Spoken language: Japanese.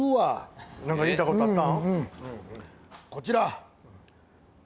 何か言いたいことあった？